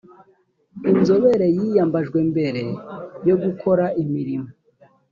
inzobere yiyambajwe mbere yo gukora imirimo